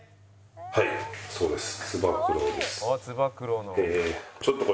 はいそうです。